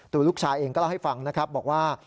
ตัวลูกชายเองก็เล่าให้ฟังนะครับบอกว่า